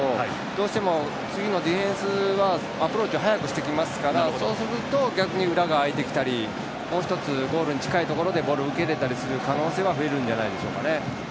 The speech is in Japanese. どうしても次のディフェンスはアプローチを早くしてきますからそうすると逆に裏が空いてきたりもう１つ、ゴールに近いところでボールを受けれる機会は増えるんじゃないでしょうかね。